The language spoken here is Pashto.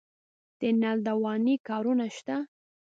د نل دوانۍ کارونه شته